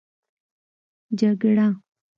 جگړه